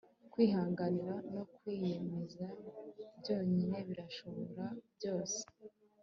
kwihangana no kwiyemeza byonyine birashobora byose